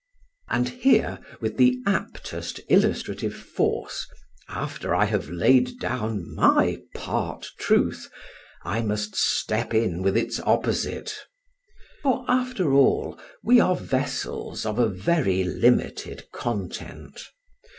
And here, with the aptest illustrative force, after I have laid down my part truth, I must step in with its opposite. For, after all, we are vessels of a very limited content.